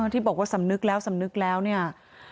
ที่บอกว่าสำนึกแล้วสำนึกแล้วเนี่ย